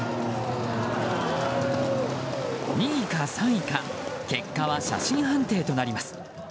２位か３位か、結果は写真判定となります。